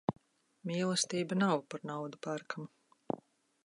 Mīlestība nav par naudu pērkama.